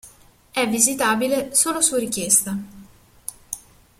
È visitabile solo su richiesta.